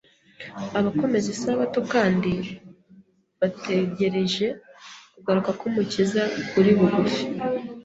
Abakomeza Isabato kandi bategereje kugaruka kw’Umukiza kuri bugufi